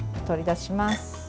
取り出します。